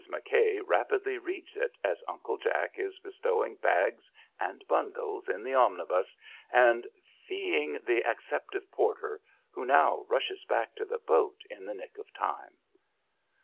McKay rapidly reads it as Uncle Jack is bestowing bags and bundles in the omnibus and feeing the acceptive porter, who now rushes back to the boat in the nick of time.